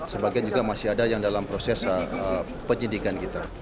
sebagian juga masih ada yang dalam proses penyidikan kita